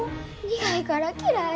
苦いから嫌い。